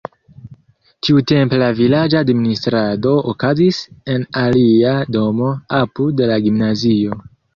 Tiutempe la vilaĝa administrado okazis en alia domo apud la gimnazio.